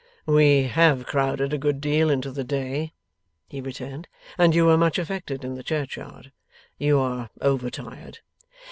'We have crowded a good deal into the day,' he returned, 'and you were much affected in the churchyard. You are over tired.